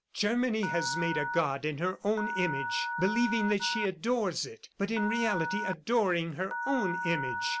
Germany has made a god in her own image, believing that she adores it, but in reality adoring her own image.